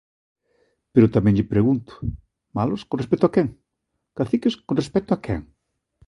Pero tamén lle pregunto: ¿malos con respecto a quen?, ¿caciques con respecto a quen?